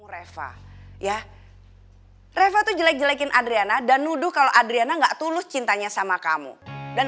reva ya reva tuh jelek jelekin adriana dan nuduh kalau adriana enggak tulus cintanya sama kamu dan